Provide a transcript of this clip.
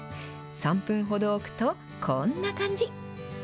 ３分ほど置くと、こんな感じ。